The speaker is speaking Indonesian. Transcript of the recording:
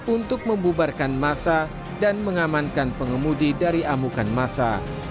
untuk membubarkan masa dan mengamankan pengemudi dari amukan masa